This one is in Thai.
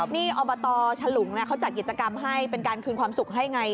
นี่อบตฉลุงเขาจัดกิจกรรมให้เป็นการคืนความสุขให้ไง